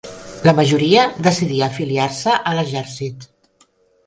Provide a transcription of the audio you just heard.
La majoria decidí afiliar-se a l'exèrcit.